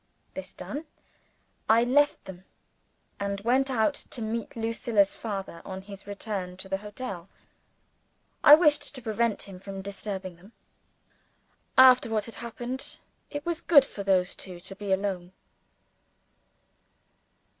This done, I left them and went out to meet Lucilla's father, on his return to the hotel. I wished to prevent him from disturbing them. After what had happened, it was good for those two to be alone.